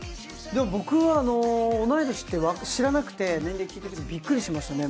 僕は同い年って知らなくて年齢聞いてびっくりしましたね。